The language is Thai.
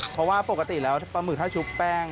เพราะว่าปกติแล้วปลาหมึกถ้าชุบแป้ง